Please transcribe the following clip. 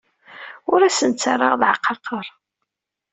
Ur asen-ttarraɣ leɛqaqer.